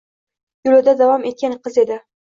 Yoʻlida davom etgan qiz edi.